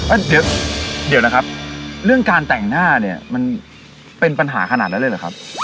อ่ะเดี๋ยวนะครับเรื่องการแต่งหน้าเนี่ยมันเป็นปัญหาขนาดนั้นเลยเหรอครับ